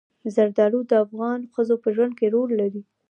زردالو د افغان ښځو په ژوند کې رول لري.